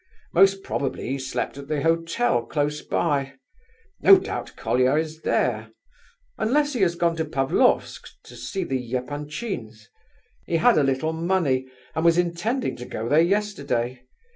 Most probably he slept at the hotel close by. No doubt Colia is there, unless he has gone to Pavlofsk to see the Epanchins. He had a little money, and was intending to go there yesterday.